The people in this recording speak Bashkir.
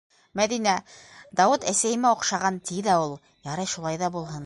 Мәҙинә: «Дауыт әсәйемә оҡшаған!» - ти ҙә ул. Ярай, шулай ҙа булһын.